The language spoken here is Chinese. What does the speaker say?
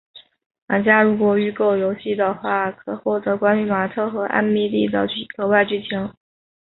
玩家如果预购游戏的话可获得关于马特和艾蜜莉的额外剧情。